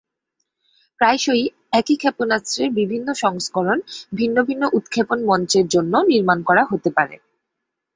প্রায়শই একই ক্ষেপণাস্ত্রের বিভিন্ন সংস্করণ ভিন্ন ভিন্ন উৎক্ষেপণ মঞ্চের জন্য নির্মাণ করা হতে পারে।